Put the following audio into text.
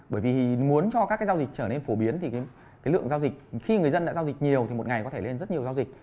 bởi vì muốn cho các cái giao dịch trở nên phổ biến thì cái lượng giao dịch khi người dân đã giao dịch nhiều thì một ngày có thể lên rất nhiều giao dịch